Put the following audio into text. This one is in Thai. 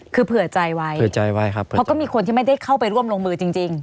คือเผื่อใจไว้เพราะมีคนที่ไม่ได้เข้าไปร่วมลงมือจริง